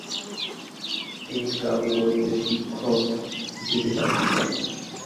তিনি প্রাগে গণিতের শিক্ষক হিসেবে চাকরি পান।